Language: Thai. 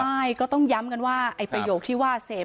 ใช่ก็ต้องย้ำกันว่าไอ้ประโยคที่ว่าเสพ